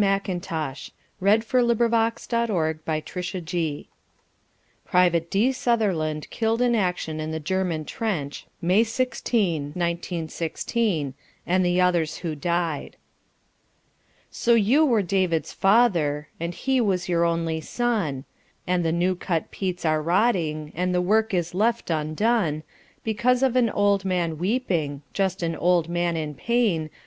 The Labyrinth, May 15, 1916 30 S' IN MEMORIAM Private D. Sutherland killed in Action in the German Trench, May i6, 1916, and the Others WHO Died. lO you were David's father, And he was your only son, And the new cut peats are rotting And the work is left undone. Because of an old man weeping, Just an old man in pain.